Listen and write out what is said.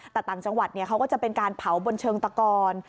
แต่ต่างจังหวัดเขาก็จะเป็นการเผาบนเชิงตะกอน